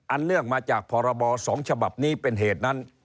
เนื่องมาจากพรบ๒ฉบับนี้เป็นเหตุนั้น